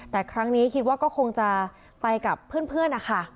แต่ครั้งนี้คิดว่าก็คงจะไปกับเพื่อนนะคะ